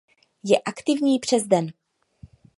Je aktivní přes den.